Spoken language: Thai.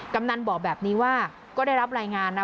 กำนันบอกแบบนี้ว่าก็ได้รับรายงานนะ